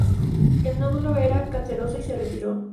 El nódulo era canceroso y se retiró.